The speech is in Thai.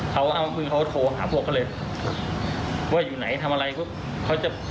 เขาก็คือเขาโทรหาพวกเขาเลยว่าอยู่ไหนทำอะไรก็เขาจะ